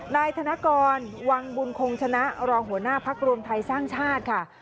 นายธนกรวังบุญคงชนะรองหัวหน้าพักรวมไทยสร้างชาติค่ะ